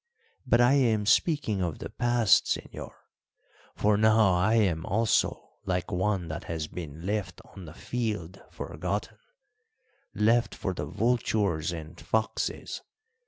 But I am speaking of the past, señor; for now I am also like one that has been left on the field forgotten left for the vultures and foxes.